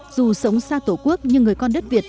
dù sống xa tổ quốc nhưng người con đất việt